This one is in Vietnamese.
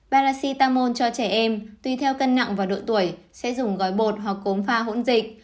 parasitamol cho trẻ em tuy theo cân nặng và độ tuổi sẽ dùng gói bột hoặc cốm pha hỗn dịch